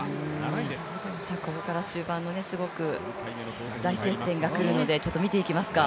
ここから終盤の大接戦がくるので見ていきましょうか。